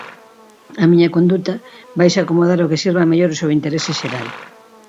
A miña conduta vaise acomodar ao que sirva mellor ao seu interese xeral.